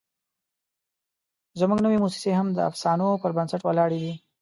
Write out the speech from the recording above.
زموږ نوې موسسې هم د افسانو پر بنسټ ولاړې دي.